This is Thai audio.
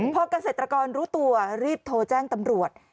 พอเกษตรกรรู้ตัวรีบโทรแจ้งตำรวจ